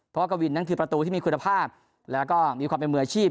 เพราะว่ากวินนั้นคือประตูที่มีคุณภาพแล้วก็มีความเป็นมืออาชีพ